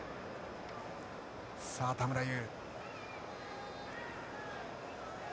さあ田村優。